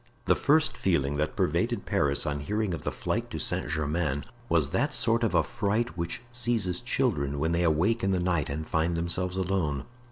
The first feeling that pervaded Paris on hearing of the flight to Saint Germain, was that sort of affright which seizes children when they awake in the night and find themselves alone.